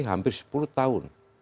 hampir sepuluh tahun